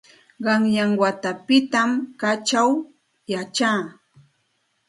Qanyan watapitam kaćhaw yachaa.